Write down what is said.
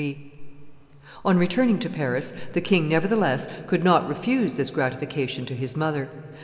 ] On returning to Paris, the king, nevertheless, could not refuse this gratification to his mother.